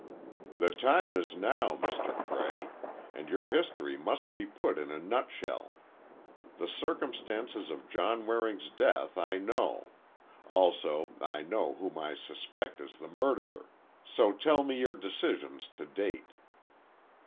"The time is now, Mr. Cray. And your history must be put in a nutshell. The circumstances of John Waring's death, I know. Also, I know whom I suspect as the murderer. So tell me your decisions to date."